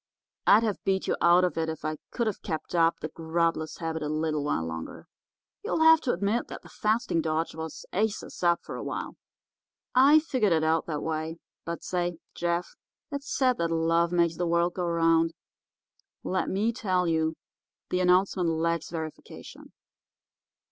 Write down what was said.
I'd have beat you out if I could have kept up the grubless habit a little while longer. You'll have to admit that the fasting dodge was aces up for a while. I figured it out that way. But say, Jeff, it's said that love makes the world go around. Let me tell you, the announcement lacks verification.